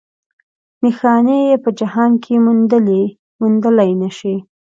نښانې یې په جهان کې موندلی نه شي.